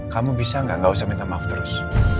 kamu bisa gak gak usah minta maaf terus